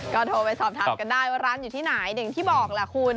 ก็โทรไปสอบถามกันได้ว่าร้านอยู่ที่ไหนอย่างที่บอกแหละคุณ